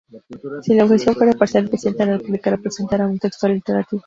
Si la objeción fuera parcial, el Presidente de la República presentará un texto alternativo.